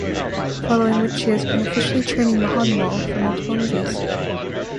Following which he has been officially training Mohanlal for multiple movies.